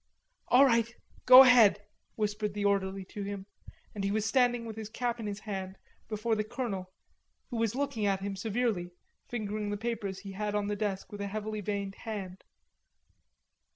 "All right! Go ahead," whispered the orderly to him; and he was standing with his cap in his hand before the colonel who was looking at him severely, fingering the papers he had on the desk with a heavily veined hand.